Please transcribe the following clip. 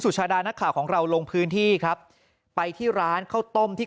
ชาดานักข่าวของเราลงพื้นที่ครับไปที่ร้านข้าวต้มที่